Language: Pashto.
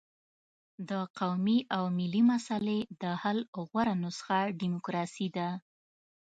د قومي او ملي مسلې د حل غوره نسخه ډیموکراسي ده.